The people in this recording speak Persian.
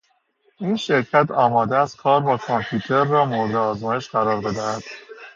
این شرکت آماده است کار با کامپیوتر را مورد آزمایش قرار بدهد.